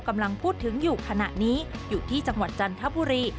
กำลังพูดถึงอยู่ขณะนี้อยู่ที่จังหวัดจันทบุรี